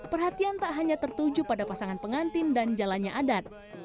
perhatian tak hanya tertuju pada pasangan pengantin dan jalannya adat